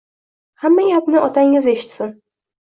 Hamma gapni otangiz eshitsin